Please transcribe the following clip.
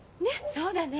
そうだね。